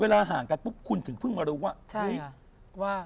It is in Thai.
ห่างกันปุ๊บคุณถึงเพิ่งมารู้ว่าเฮ้ย